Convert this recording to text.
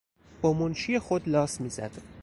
با منشی خود لاس میزد.